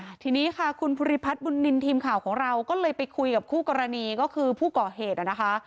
ทีนี้ค่ะคุณภูริพัฒน์บุญนินทีมข่าวของเราก็เลยไปคุยกับคู่กรณีก็คือผู้ก่อเหตุอ่ะนะคะ